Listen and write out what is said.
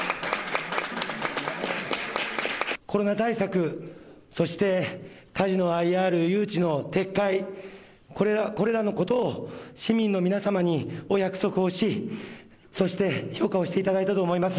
コロナ対策そしてカジノＩＲ誘致の撤回これらのことを市民の皆さまにお約束をしそして、評価をしていただいたと思います。